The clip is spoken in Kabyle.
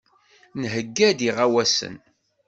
Nheyya-d iɣawasen.